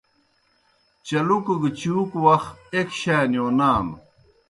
چلُکوْ گہ چُوکوْ وخ ایْک شانِیؤ نانوْ۔